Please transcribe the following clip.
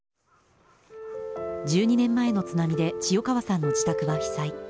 １２年前の津波で千代川さんの自宅は被災。